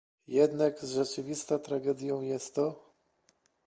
Jednak rzeczywista tragedią jest to